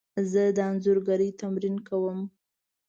زه د انځورګري تمرین کوم.